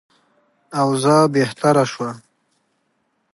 اوضاع بهتره شوه.